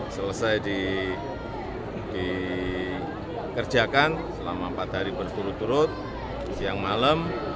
selesai dikerjakan selama empat hari berturut turut siang malam